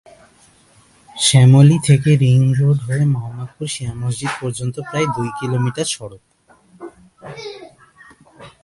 শ্যামলী থেকে ring road হয়ে মোহাম্মদপুর শিয়া মসজিদ পর্যন্ত প্রায় দুই কিলোমিটার সড়ক।